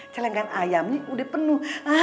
celengan ayamnya udah penuh